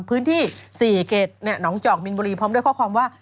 พื้นที่๔เขตหนองจอกมินบุรีพร้อมด้วยข้อความว่า